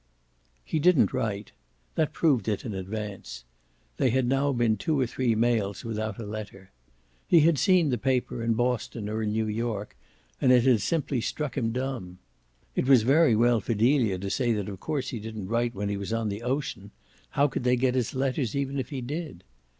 He didn't write; that proved it in advance; there had now been two or three mails without a letter. He had seen the paper in Boston or in New York and it had simply struck him dumb. It was very well for Delia to say that of course he didn't write when he was on the ocean: how could they get his letters even if he did?